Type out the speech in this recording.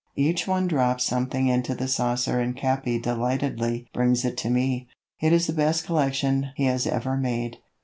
Each one drops something into the saucer and Capi delightedly brings it to me. It is the best collection he has ever made.